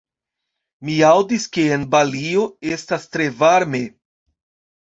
Mi aŭdis, ke en Balio estas tre varme.